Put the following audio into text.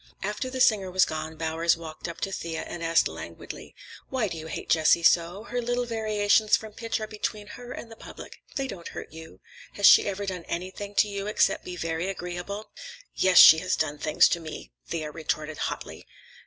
After the singer was gone, Bowers walked up to Thea and asked languidly, "Why do you hate Jessie so? Her little variations from pitch are between her and her public; they don't hurt you. Has she ever done anything to you except be very agreeable?" "Yes, she has done things to me," Thea retorted hotly.